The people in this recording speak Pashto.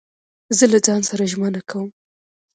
زه له ځان سره ژمنه کوم.